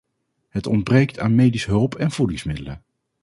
Het ontbreekt aan medische hulp en voedingsmiddelen.